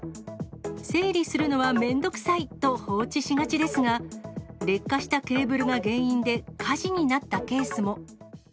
整理するのは面倒くさいと放置しがちですが、劣化したケーブルが原因で火事になったケースも。